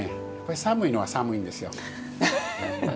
寒いのは寒いんですよ。